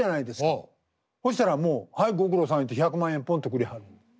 ほしたらもう「はいご苦労さん」言うて１００万円ぽんとくれはる。